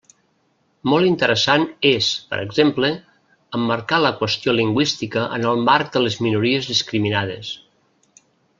Molt interessant és, per exemple, emmarcar la qüestió lingüística en el marc de les minories discriminades.